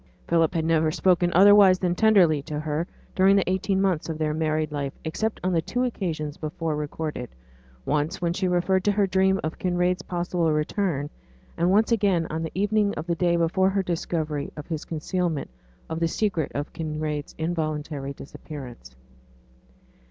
Philip had never spoken otherwise than tenderly to her during the eighteen months of their married life, except on the two occasions before recorded: once when she referred to her dream of Kinraid's possible return, and once again on the evening of the day before her discovery of his concealment of the secret of Kinraid's involuntary disappearance.